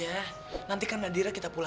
abr liksom buat nggakziehen itu yak